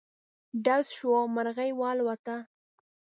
ډز شو، مرغی والوته.